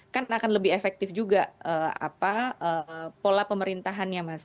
kan akan lebih efektif juga pola pemerintahannya mas